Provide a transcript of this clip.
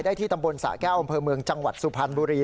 ได้ที่ตำบลสะแก้วองค์เมืองจังหวัดสุภารบุรี